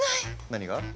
何が？